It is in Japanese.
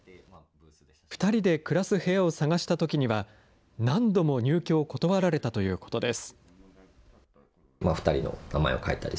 ２人で暮らす部屋を探したときには、何度も入居を断られたということです。